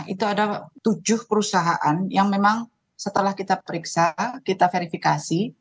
itu ada tujuh perusahaan yang memang setelah kita periksa kita verifikasi